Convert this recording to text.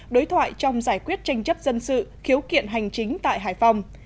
đối thoại trong giải quyết tranh chấp dân sự khiếu kiện hành chính tại hải phòng